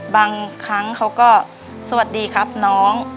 บางครั้งเขาก็สวัสดีครับน้อง